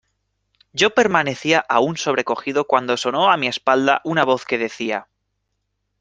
yo permanecía aún sobrecogido cuando sonó a mi espalda una voz que decía: